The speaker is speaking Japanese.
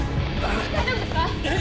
大丈夫ですか⁉えっ！